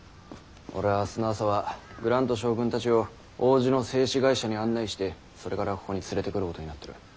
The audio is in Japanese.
俺は明日の朝はグラント将軍たちを王子の製紙会社に案内してそれからここに連れてくることになってる。